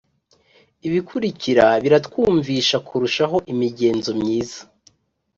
ibikurikira biratwumvisha kurushaho imigenzo myiza